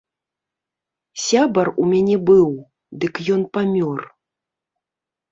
Сябар у мяне быў, дык ён памёр.